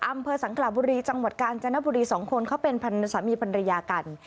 อำเภอสังกลาบุรีจังหวัดกาญจนบุรีสองคนเขาเป็นสามีภรรยากัน